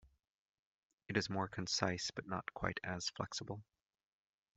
It is more concise but not quite as flexible.